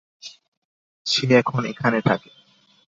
সে এখন এখানে থাকে।